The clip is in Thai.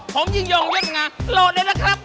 ผมยิงยองเยอะมากโหลดเลยนะครับ